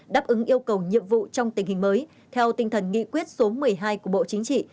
đáp ứng yêu cầu nhiệm vụ trong tình hình mới theo tinh thần nghị quyết số một mươi hai của bộ chính trị